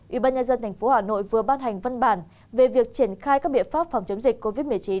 ủy ban nhân dân tp hà nội vừa ban hành văn bản về việc triển khai các biện pháp phòng chống dịch covid một mươi chín